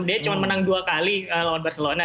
dia cuma menang dua kali lawan barcelona